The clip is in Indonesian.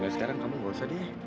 sekarang kamu gak usah deh